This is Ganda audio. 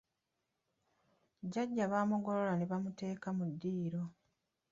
Jjajja baamugolola ne bamuteeka mu ddiiro.